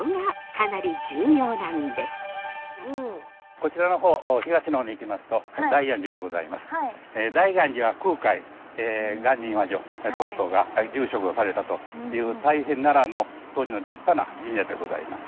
こちらの方大安寺は空海鑑真和上等々が住職をされたという大変奈良の当時の立派な寺社でございます。